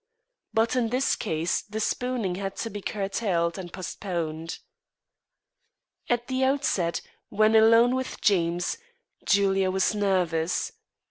But in this case the spooning had to be curtailed and postponed. At the outset, when alone with James, Julia was nervous.